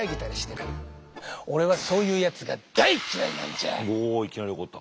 だがなおいきなり怒った。